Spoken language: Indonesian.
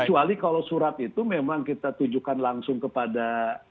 kecuali kalau surat itu memang kita tujukan langsung kepada